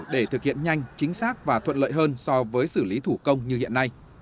để thực hiện nhanh chính xác và thuận lợi hơn so với xử lý thủ công như hiện nay